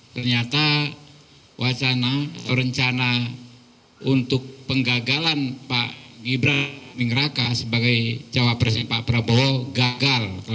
ternyata wacana rencana untuk penggagalan pak gibran mingraka sebagai capres cawapres pak prabowo gagal